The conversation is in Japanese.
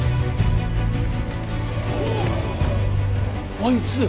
あいつ。